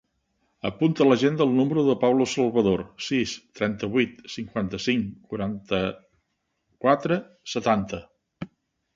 Apunta a l'agenda el número del Pablo Salvador: sis, trenta-vuit, cinquanta-cinc, quaranta-quatre, setanta.